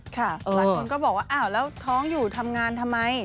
หลายคนก็บอกว่าอ้าวแล้วท้องอยู่ทำงานทำไม